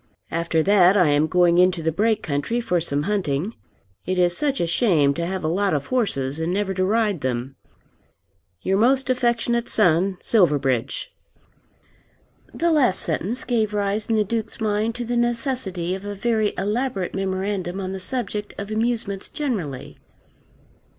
After that I am going into the Brake country for some hunting. It is such a shame to have a lot of horses and never to ride them! Your most affectionate Son, SILVERBRIDGE. The last sentence gave rise in the Duke's mind to the necessity of a very elaborate memorandum on the subject of amusements generally.